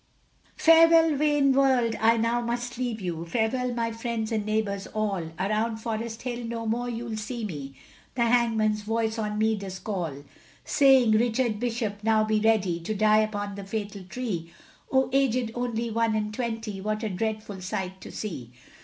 Farewell, vain world, I now must leave you, Farewell, my friends and neighbours all, Around Forest Hill no more you'll see me, The hangman's voice on me does call; Saying, Richard Bishop, now be ready, To die upon the fatal tree, Oh, aged only one and twenty, What a dreadful sight to see.